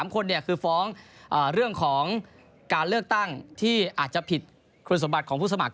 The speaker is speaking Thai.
๓คนคือฟ้องเรื่องของการเลือกตั้งที่อาจจะผิดคุณสมบัติของผู้สมัคร